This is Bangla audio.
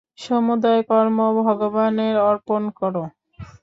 সমুদয় কর্ম ভগবানে অর্পণ কর।